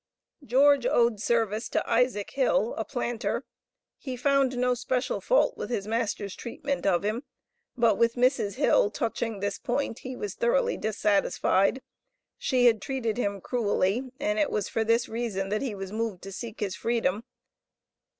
George "owed service" to Isaac Hill, a planter; he found no special fault with his master's treatment of him; but with Mrs. Hill, touching this point, he was thoroughly dissatisfied. She had treated him "cruelly," and it was for this reason that he was moved to seek his freedom.